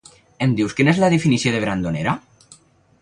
Em dius quina és la definició de brandonera?